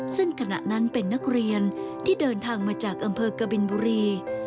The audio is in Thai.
ซึ่งขณะนั้นเป็นนักเรียนที่เดินทางมาจากอำเภอกบินบุรี